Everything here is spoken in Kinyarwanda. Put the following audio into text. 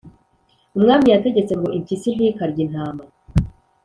umwami yategetse ngo impyisi ntikarye intama,